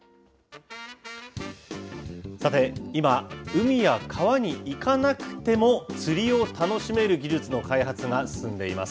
さて、今、海や川に行かなくても釣りを楽しめる技術の開発が進んでいます。